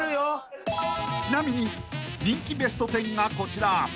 ［ちなみに人気ベスト１０がこちら］